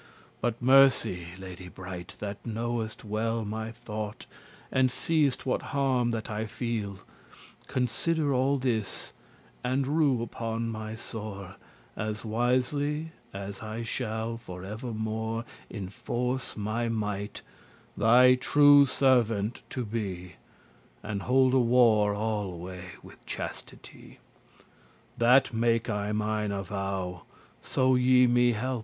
But mercy, lady bright, that knowest well My thought, and seest what harm that I feel. Consider all this, and *rue upon* my sore, *take pity on* As wisly* as I shall for evermore *truly Enforce my might, thy true servant to be, And holde war alway with chastity: That make I mine avow*, so ye me help.